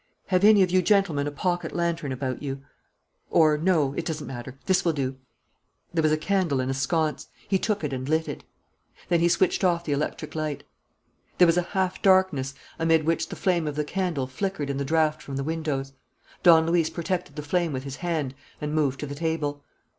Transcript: Have any of you gentlemen a pocket lantern about you? Or, no, it doesn't matter. This will do." There was a candle in a sconce. He took it and lit it. Then he switched off the electric light. There was a half darkness, amid which the flame of the candle flickered in the draught from the windows. Don Luis protected the flame with his hand and moved to the table.